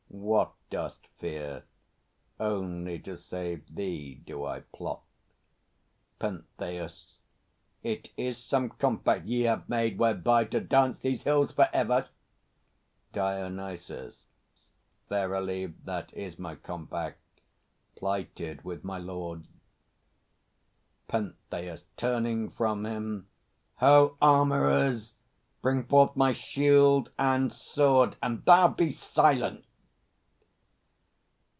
What Dost fear? Only to save thee do I plot. PENTHEUS. It is some compact ye have made, whereby To dance these hills for ever! DIONYSUS. Verily, That is my compact, plighted with my Lord! PENTHEUS (turning from him). Ho, armourers! Bring forth my shield and sword! And thou, be silent!